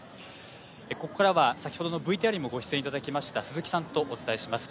ここからは、先ほどのＶＴＲにもご出演いただきました鈴木さんと、お伝えします。